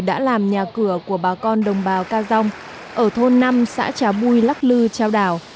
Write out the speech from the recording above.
đã làm nhà cửa của bà con đồng bào ca dông ở thôn năm xã trà bui lắc lư trao đảo